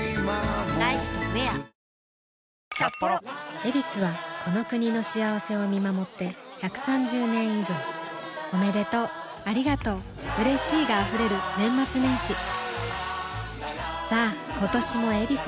「ヱビス」はこの国の幸せを見守って１３０年以上おめでとうありがとううれしいが溢れる年末年始さあ今年も「ヱビス」で